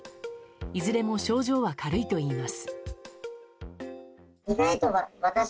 いずれも症状は軽いといいます。